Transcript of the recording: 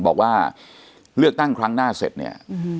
บอกว่าเลือกตั้งครั้งหน้าเสร็จเนี่ย